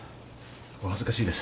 お恥ずかしいです。